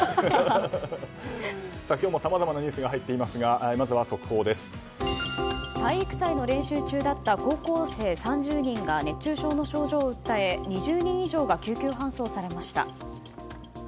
今日もさまざまなニュースが入っていますが体育祭の練習中だった高校生３０人が熱中症の症状を訴え２０人以上が救急搬送されました。